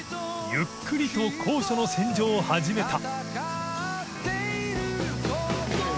ゆっくりと高所の洗浄を始めた淵